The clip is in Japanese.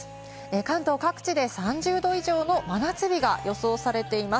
関東各地で３０度以上の真夏日が予想されています。